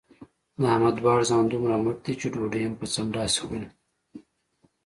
د احمد دواړه زامن دومره مټ دي چې ډوډۍ هم په څملاستې خوري.